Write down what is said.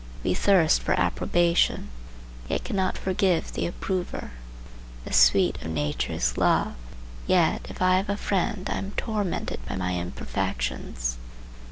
We thirst for approbation, yet cannot forgive the approver. The sweet of nature is love; yet, if I have a friend I am tormented by my imperfections.